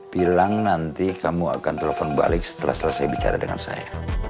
bilang nanti kamu akan telepon balik setelah selesai bicara dengan saya